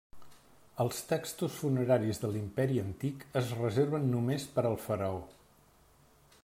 Els textos funeraris de l'Imperi Antic es reserven només per al faraó.